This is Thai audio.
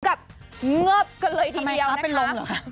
กับเงิบกันเลยทีเดียวนะคะ